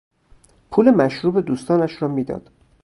پول مشروب دوستانش را میداد.